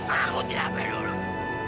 aku tidak peduluk